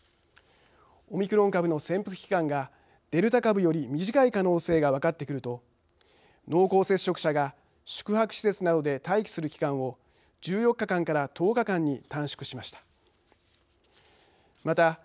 オミクロン株の潜伏期間がデルタ株より短い可能性が分かってくると濃厚接触者が宿泊施設などで待機する期間を１４日間から１０日間に短縮しました。